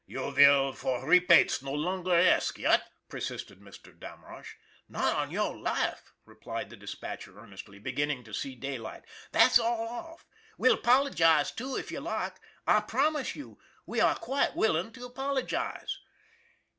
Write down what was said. "You vill for repates no longer ask, yet?" per sisted Mr. Damrosch. " Not on your life !" replied the dispatcher earn estly, beginning to see daylight. "That's all off. We'll apologize, too, if you like. I promise you, we are quite willing to apologize."